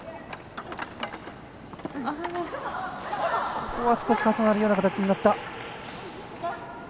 ここは少し重なるような形になった。